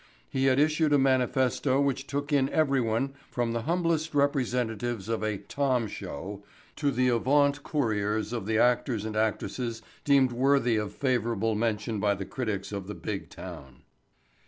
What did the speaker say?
He had issued a manifesto which took in everyone from the humblest representatives of a "Tom show" to the avaunt couriers of the actors and actresses deemed worthy of favorable mention by the critics of the Big Town.